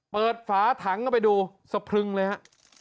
ฝาถังเข้าไปดูสะพรึงเลยฮะ